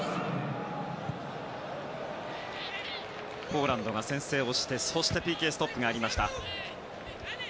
ポーランドが先制をしてＰＫストップがありました。